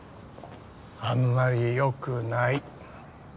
あんまり良くない。